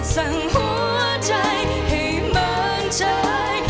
สั่งหัวใจให้เปิดใช้